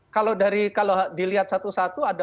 kalau dari kalau dilihat satu satu ada empat lima